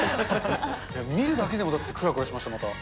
見るだけでもだってくらくらしました、また。